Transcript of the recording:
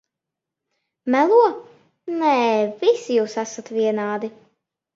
-Melo! Nē, visi jūs esat vienādi.